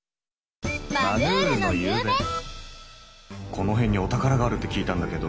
この辺にお宝があるって聞いたんだけど。